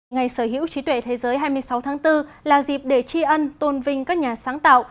ngày sở hữu trí tuệ thế giới hai mươi sáu tháng bốn là dịp để tri ân tôn vinh các nhà sáng tạo